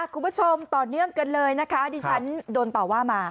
คุณผู้ชมต่อเนื่องกันเลยนะคะดิฉันโดนต่อว่ามา